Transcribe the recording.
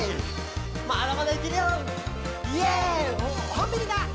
「コンビニだ！